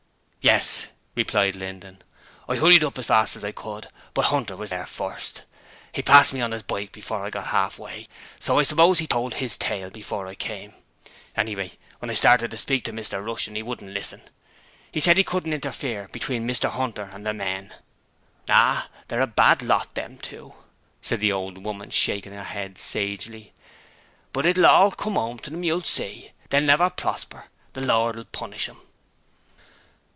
'Yes,' replied Linden. 'I hurried up as fast as I could, but Hunter was there first. He passed me on his bike before I got half way, so I suppose he told his tale before I came. Anyway, when I started to speak to Mr Rushton he wouldn't listen. Said he couldn't interfere between Mr Hunter and the men. 'Ah! They're a bad lot, them two,' said the old woman, shaking her head sagely. 'But it'll all come 'ome to 'em, you'll see. They'll never prosper. The Lord will punish them.'